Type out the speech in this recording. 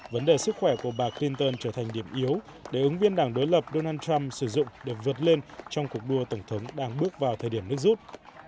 vấn đề sức khỏe của bà clinton trở thành điểm yếu để ứng viên đảng đối lập donald trump sử dụng được vượt lên trong cuộc đua tổng thống đang bước vào thời điểm nước rút